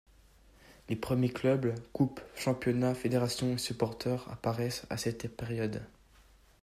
Les premiers clubs, coupes, championnats, fédérations et supporteurs apparaissent à cette période.